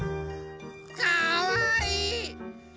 かわいい！